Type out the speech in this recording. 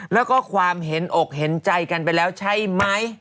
แล้วก็ความเห็นอกเห็นใจกันไปแล้วใช่ไหม